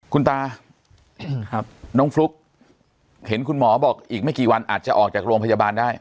คุณตาน้องฟลุ๊กเห็นคุณหมอบอกอีกไม่กี่วันอาจจะออกจากโรงพยาบาลได้